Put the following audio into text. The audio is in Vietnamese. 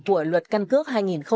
của luật căn cước